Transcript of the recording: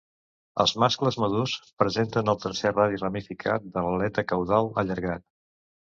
Els mascles madurs presenten el tercer radi ramificat de l'aleta caudal allargat.